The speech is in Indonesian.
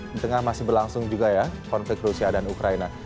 di tengah masih berlangsung juga ya konflik rusia dan ukraina